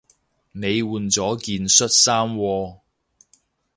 你換咗件恤衫喎